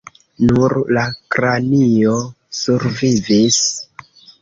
Nur la kranio survivis.